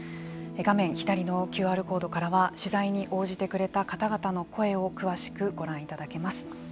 画面左のＱＲコードからは取材に応じてくれた方々の声を詳しくご覧いただけます。